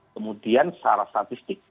kemudian secara statistik